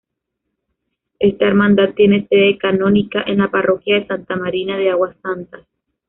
Esta hermandad tiene sede canónica en la Parroquia de Santa Marina de Aguas Santas.